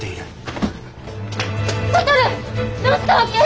どうしたわけ？